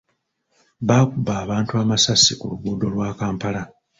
Baakuba abantu amasasi ku luguudo lwa Kampala.